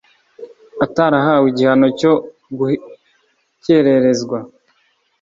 atarahawe igihano cyo gukererezwa